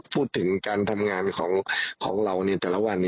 พูดถึงการทำงานของเราในแต่ละวัน